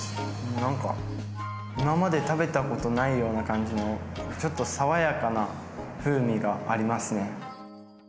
何か今まで食べたことないような感じのちょっと爽やかな風味がありますね。